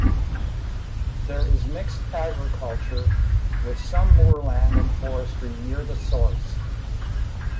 There is mixed agriculture, with some moorland and forestry near the source.